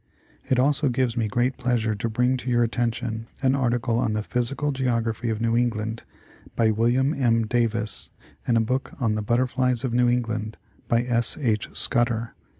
It also gives me great pleasure to bring to your attention an article on the " Physical Geography of New England," by Wm. M. Davis, in a book on the " Butterflies of New England," by S. H. Scudder.